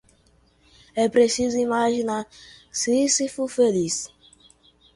É preciso imaginar Sísifo feliz